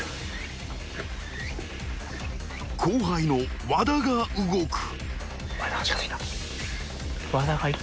［後輩の和田が動く］